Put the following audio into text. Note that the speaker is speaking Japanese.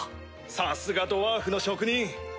さすがドワーフの職人！